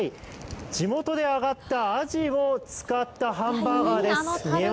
地元であがったアジを使ったハンバーガーです。